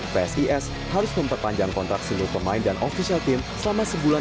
psis harus memperpanjang kontrak seluruh pemain dan ofisial team selama sebulan